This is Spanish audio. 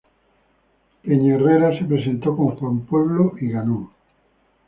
Peñaherrera se presentó con Juan Pueblo y ganó.